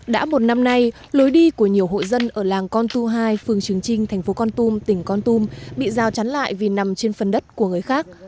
đã một năm nay lối đi của nhiều hộ dân ở làng con tu hai phường trường trinh thành phố con tum tỉnh con tum bị giao trắn lại vì nằm trên phần đất của người khác